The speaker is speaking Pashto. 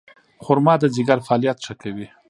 خرما د ځیګر فعالیت ښه کوي.